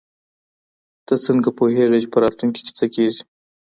ته څنګه پوهیږې چي په راتلونکي کي څه کیږي؟